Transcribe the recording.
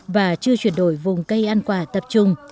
và chưa chuyển đổi vùng cây ăn quả tập trung